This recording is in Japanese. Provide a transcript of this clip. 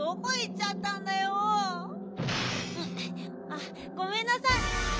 あっごめんなさい。